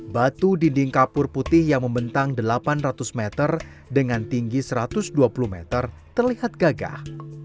batu dinding kapur putih yang membentang delapan ratus meter dengan tinggi satu ratus dua puluh meter terlihat gagah